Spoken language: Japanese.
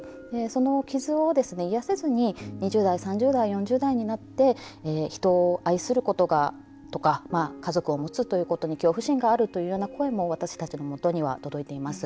その傷を癒やせずに２０代、３０代、４０代になって人を愛することとか家族をもつということに恐怖心があるというような声も私たちのもとには届いています。